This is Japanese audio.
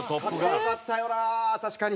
格好良かったよな確かに。